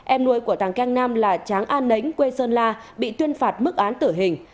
em nuôi của tàng cang nam là tráng an nấnh quê sơn la bị tuyên phạt mức án tử hình